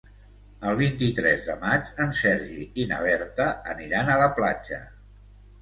El vint-i-tres de maig en Sergi i na Berta aniran a la platja.